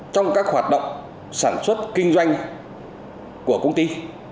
trong các hoạt động sản xuất kinh doanh của công ty